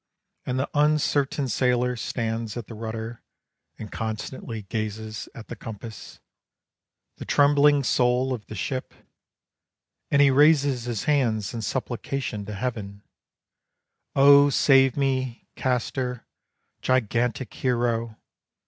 And the uncertain sailor stands at the rudder, And constantly gazes at the compass, The trembling soul of the ship; And he raises his hands in supplication to Heaven "Oh, save me, Castor, gigantic hero!